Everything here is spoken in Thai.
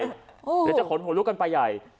เดี๋ยวจะขนหัวลุกกันไปใหญ่